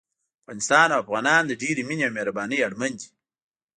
افغانستان او افغانان د ډېرې مينې او مهربانۍ اړمن دي